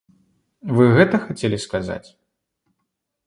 Вы гэта хацелі сказаць?